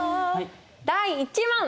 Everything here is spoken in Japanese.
第１問！